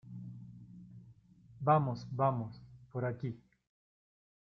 Vamos, vamos. Por aquí .